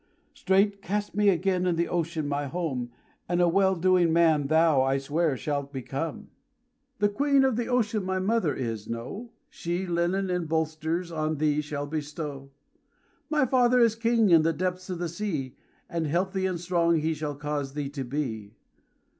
"Straight cast me again in the ocean my home, And a well doing man thou, I swear, shalt become. "The Queen of the ocean my mother is, know, She linen and bolsters on thee shall bestow. "My father is King in the depths of the sea, And healthy and strong he shall cause thee to be.